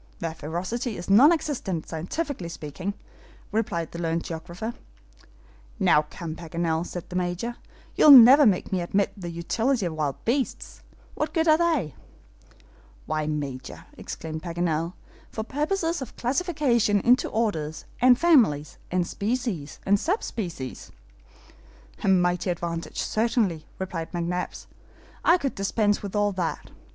"Their ferocity is non existent, scientifically speaking," replied the learned geographer. "Now come, Paganel," said the Major, "you'll never make me admit the utility of wild beasts. What good are they?" "Why, Major," exclaimed Paganel, "for purposes of classification into orders, and families, and species, and sub species." "A mighty advantage, certainly!" replied McNabbs, "I could dispense with all that.